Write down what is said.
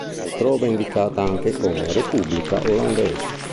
Altrove è indicata anche come "Repubblica Olandese".